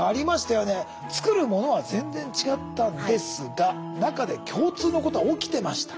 作るものは全然違ったんですが中で共通のことは起きてました。